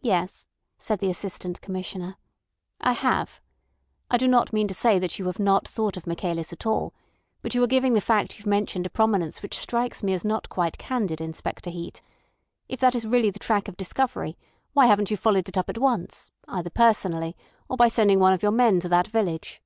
"Yes," said the Assistant Commissioner; "I have. I do not mean to say that you have not thought of Michaelis at all. But you are giving the fact you've mentioned a prominence which strikes me as not quite candid, Inspector Heat. If that is really the track of discovery, why haven't you followed it up at once, either personally or by sending one of your men to that village?"